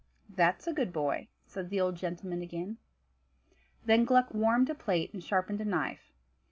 "That's a good boy," said the old gentleman again. Then Gluck warmed a plate and sharpened a knife.